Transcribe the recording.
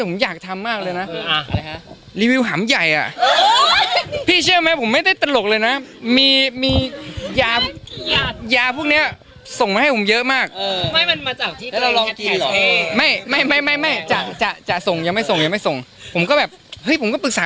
ผมติดแม่ติดหลานที่แบบเราอยู่จริงนะ